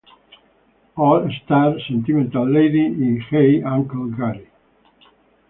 All-Star", "Sentimental Lady", y "Hey, Uncle Gary!".